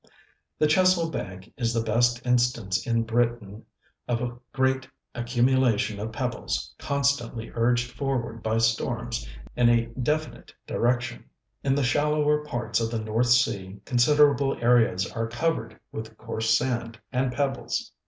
The Chesil Bank is the best instance in Britain of a great accumulation of pebbles constantly urged forward by storms in a definite direction. In the shallower parts of the North Sea considerable areas are covered with coarse sand and pebbles.